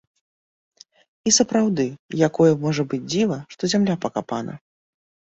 І сапраўды, якое можа быць дзіва, што зямля пакапана!